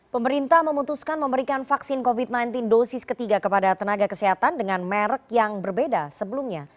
pemerintah memutuskan memberikan vaksin covid sembilan belas dosis ketiga kepada tenaga kesehatan dengan merek yang berbeda sebelumnya